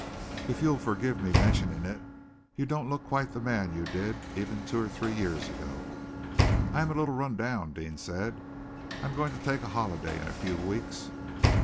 If you'll forgive my mentioning it, you don't look quite the man you did even two or three years ago." "I am a little run down," Deane said. "I am going to take a holiday in a few weeks."